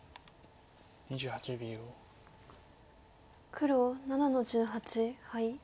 黒７の十八ハイ。